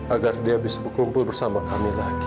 agar dia bisa berkumpul bersama kami lagi